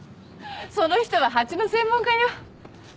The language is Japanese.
その人は蜂の専門家よ。